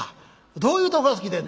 どういうとこが好きでんねん？」。